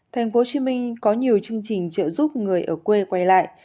tp hcm có nhiều chương trình trợ giúp người ở quê quay lại